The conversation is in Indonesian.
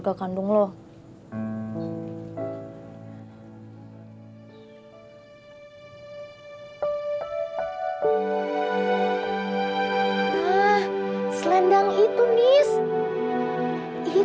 saya masih masih